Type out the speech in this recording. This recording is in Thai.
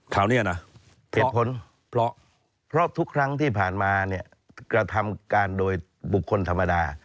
เนี่ยนะเหตุผลเพราะทุกครั้งที่ผ่านมาเนี่ยกระทำการโดยบุคคลธรรมดา